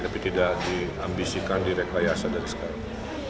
tapi tidak diambisikan direkayasa dari sekarang